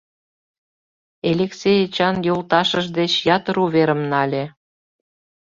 Элексей Эчан йолташыж деч ятыр уверым нале.